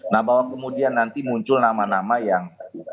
nah bahwa kemudian nanti muncul nama nama yang